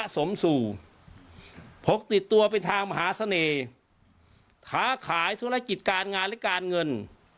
สมสู่พกติดตัวไปทางมหาเสน่ห์ค้าขายธุรกิจการงานและการเงิน